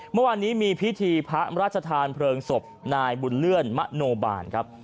เมื่อวานนี้มีพิธีพระราชทานเพลิงศพนายบุญเลื่อนมะโนบาลครับ